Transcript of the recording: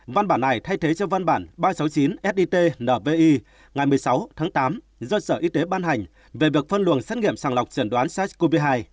văn bản này thay thế cho văn bản ba trăm sáu mươi chín sdit nvi ngày một mươi sáu tháng tám do sở y tế ban hành về việc phân luồng xét nghiệm sàng lọc trần đoán sars cov hai